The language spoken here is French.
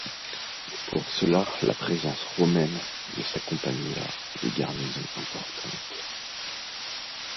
Pour cela la présence romaine ne s'accompagna de garnisons importantes.